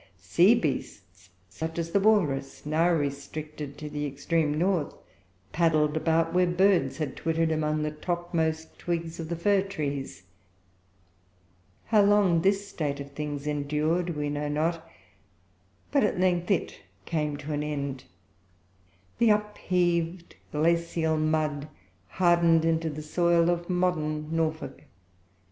Sea beasts, such as the walrus, now restricted to the extreme north, paddled about where birds had twittered among the topmost twigs of the fir trees. How long this state of things endured we know not, but at length it came to an end. The upheaved glacial mud hardened into the soil of modern Norfolk.